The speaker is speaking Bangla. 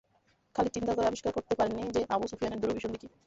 খালিদ চিন্তা করে আবিষ্কার করতে পারেননি যে, আবু সুফিয়ানের দুরভিসন্ধি কি?